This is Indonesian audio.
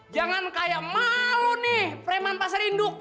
jangan kayak malu nih preman pasar induk